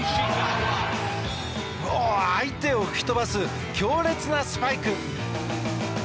相手を吹き飛ばす強烈なスパイク！